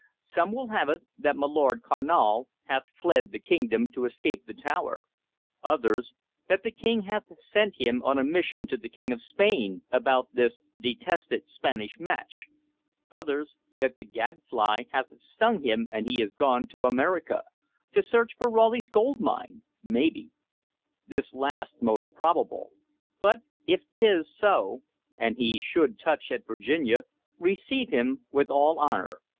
Some will have it that my Lord Carnal hath fled the kingdom to escape the Tower; others, that the King hath sent him on a mission to the King of Spain about this detested Spanish match; others, that the gadfly hath stung him and he is gone to America, to search for Raleigh's gold mine, maybe. This last most improbable; but if 't is so, and he should touch at Virginia, receive him with all honor.